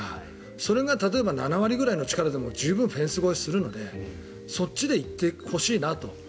それが例えば、７割ぐらいの力でも十分にフェンス越えするのでそっちでいってほしいなと。